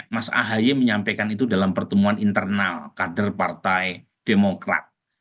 mas ahy menyampaikan itu dalam pertemuan internal kader partai demokrat